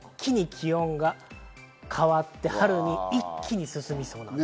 一気に気温が変わって、春に一気に進みそうです。